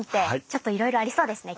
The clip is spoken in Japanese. ちょっといろいろありそうですね。